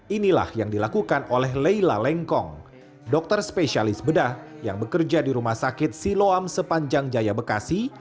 inilah yang dilakukan oleh leila lengkong dokter spesialis bedah yang bekerja di rumah sakit siloam sepanjang jaya bekasi